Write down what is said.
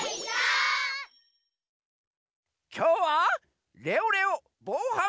きょうはレオレオぼうはん